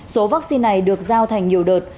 số vaccine này được giao thành nhiều đợt